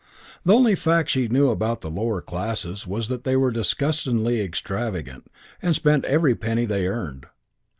The only fact she knew about the lower classes was that they were disgustingly extravagant and spent every penny they earned.